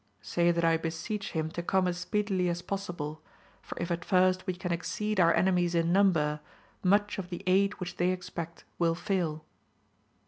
Say that I beseech him to come as speedily as possible, for if at first we can exceed our enemies in number, much of the aid which they expect will fail.